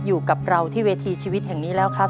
อยู่กับเราที่เวทีชีวิตแห่งนี้แล้วครับ